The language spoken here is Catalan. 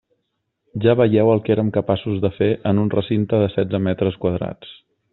Ja veieu el que érem capaços de fer en un recinte de setze metres quadrats.